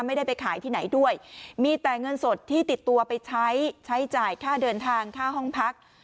ไม่ได้ไปขายที่ไหนด้วยมีแต่เงินสดที่ติดตัวไปใช้ใช้จ่ายค่าเดินทางค่าห้องพัก